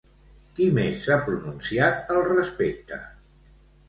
Qui més s'ha pronunciat al respecte?